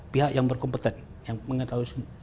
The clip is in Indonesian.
pihak yang berkompeten yang mengetahui